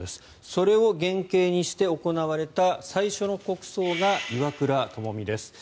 それを原型にして行われた最初の国葬が岩倉具視です。